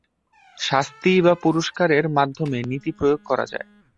শাস্তি বা পুরস্কারের মাধ্যমে নীতি প্রয়োগ করা যায়।